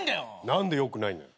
何でよくないのよ。